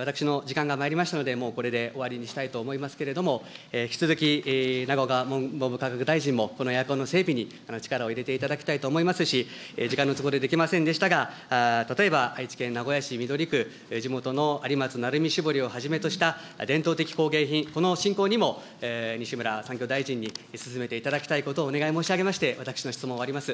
私の時間がまいりましたので、もうこれで終わりにしたいと思いますけれども、引き続き永岡文部科学大臣もこのエアコンの整備に力を入れていただきたいと思いますし、時間の都合でできませんでしたが、例えば、愛知県名古屋市みどり区、地元のをはじめとした伝統的工芸品、この振興にも西村産業大臣にすすめていただきたいことをお願い申し上げまして、私の質問終わります。